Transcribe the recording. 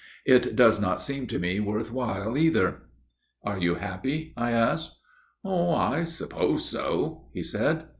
It does not seem to me worth while, either.' "' Are you happy ?' I asked. "' Oh ! I suppose so,' he said.